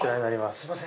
すいません。